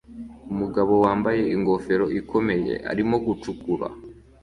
Umugabo wambaye ingofero ikomeye arimo gucukura